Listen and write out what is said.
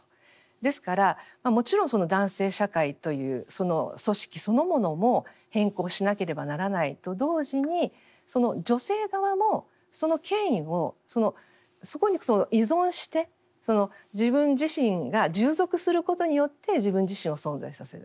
ですからもちろん男性社会という組織そのものも変更しなければならないと同時に女性側もその権威をそこに依存して自分自身が従属することによって自分自身を存在させる。